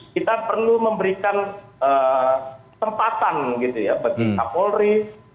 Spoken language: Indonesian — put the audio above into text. kita perlu memberikan tempatan bagi polri